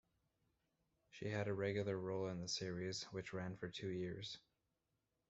She had a regular role in the series, which ran for two years.